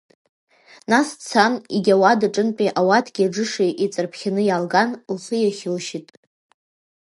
Нас дцан егьи ауадаҿынтәи ауаткеи аџыши еиҵарԥхьаны иаалган, лхы иахьылшьит.